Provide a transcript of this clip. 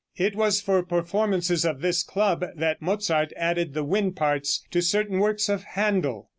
It was for performances of this club, that Mozart added the wind parts to certain works of Händel.